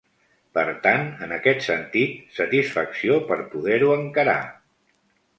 Per tant, en aquest sentit, satisfacció per poder-ho encarar.